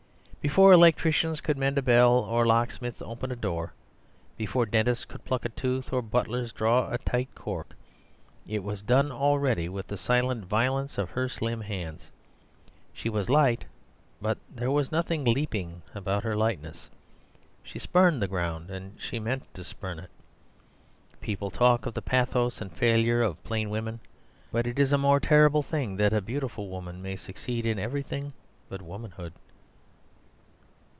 Before electricians could mend a bell or locksmiths open a door, before dentists could pluck a tooth or butlers draw a tight cork, it was done already with the silent violence of her slim hands. She was light; but there was nothing leaping about her lightness. She spurned the ground, and she meant to spurn it. People talk of the pathos and failure of plain women; but it is a more terrible thing that a beautiful woman may succeed in everything but womanhood.